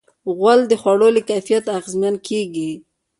غول د خوړو له کیفیت اغېزمن کېږي.